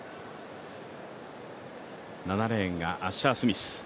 ７レーンがアッシャースミス